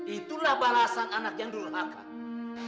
itulah balasan anak yang dulu makan